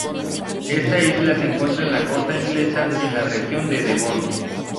Esta isla se encuentra en la costa inglesa, en la región de Devon.